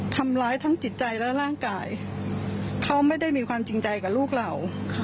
ทำร้ายทั้งจิตใจและร่างกายเขาไม่ได้มีความจริงใจกับลูกเรา